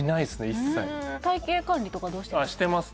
一切体形管理とかどうしてます？